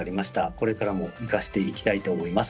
これからも生かしていきたいと思います。